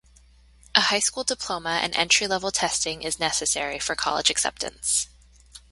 A high school diploma and entry level testing is necessary for college acceptance.